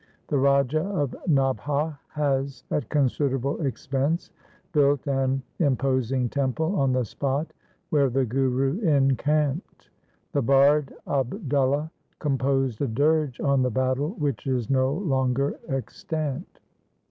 The Raja of Nabha has at considerable ex pense built an imposing temple on the spot where the Guru encamped. The bard, Abdulla, composed a dirge on the battle, which is no longer extant.